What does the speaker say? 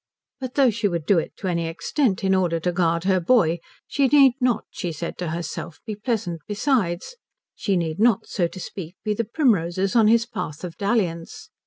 But though she would do it to any extent in order to guard her boy she need not, she said to herself, be pleasant besides, she need not, so to speak, be the primroses on his path of dalliance.